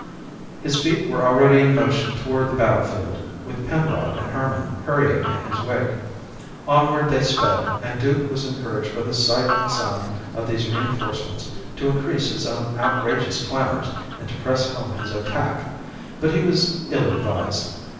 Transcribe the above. His feet were already in motion toward the battlefield, with Penrod and Herman hurrying in his wake. Onward they sped, and Duke was encouraged by the sight and sound of these reinforcements to increase his own outrageous clamours and to press home his attack. But he was ill advised.